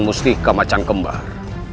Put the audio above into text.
mustiha macan kembar